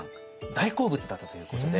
大好物だったということで。